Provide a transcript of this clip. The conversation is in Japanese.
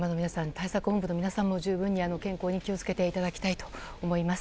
対策本部の皆さんも十分に健康に気を付けていただきたいと思います。